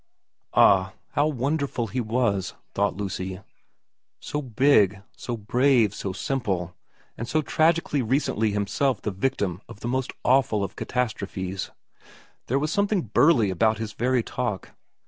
Ah, how wonderful he was, thought Lucy *, so big, so brave, so simple, and so tragically recently himself the victim of the most awful of catastrophes. There was something burly about his very talk.